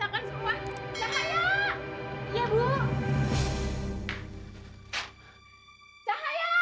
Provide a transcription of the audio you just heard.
kok berantakan semua